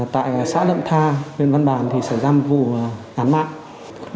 tại xã nậm tha huyện văn bàn thì xảy ra một vụ án mạng